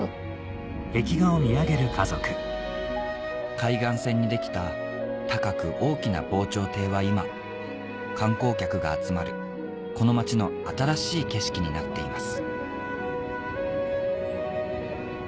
海岸線にできた高く大きな防潮堤は今観光客が集まるこの町の新しい景色になっています